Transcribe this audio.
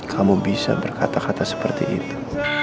kamu bisa berkata kata seperti itu